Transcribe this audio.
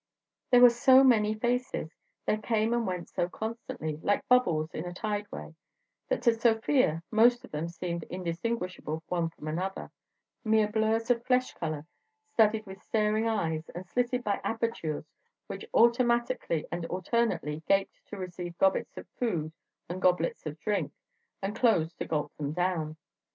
There were so many Faces, they came and went so constantly, like bubbles in a tideway, that to Sofia most of them seemed indistinguishable one from another, mere blurs of flesh colour studded with staring eyes and slitted by apertures which automatically and alternately gaped to receive gobbets of food and goblets of drink and closed to gulp them down.